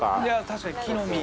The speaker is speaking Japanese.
確かに木の実。